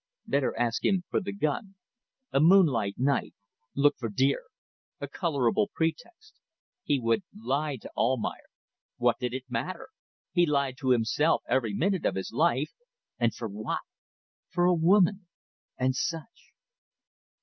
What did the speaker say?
Better ask him for the gun. A moonlight night. ... Look for deer. ... A colourable pretext. He would lie to Almayer. What did it matter! He lied to himself every minute of his life. And for what? For a woman. And such.